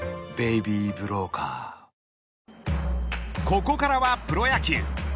ここからはプロ野球。